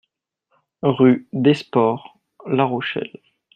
Rue DES SPORTS, La Rochelle